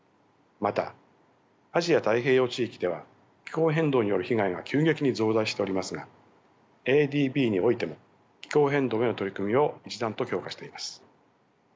またアジア・太平洋地域では気候変動による被害が急激に増大しておりますがＡＤＢにおいても気候変動への取り組みを一段と強化しています。